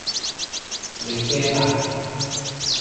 你驚啊？